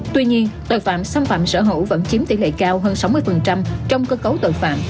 tuy nhiên tội phạm xâm phạm sở hữu vẫn chiếm tỷ lệ cao hơn sáu mươi trong cơ cấu tội phạm